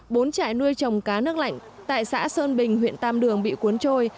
bốn trại nuôi trồng cá nước lạnh tại xã sơn bình huyện tam đường bị cuốn trôi